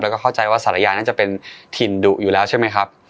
แล้วก็เข้าใจว่าสารยาน่าจะเป็นถิ่นดุอยู่แล้วใช่ไหมครับ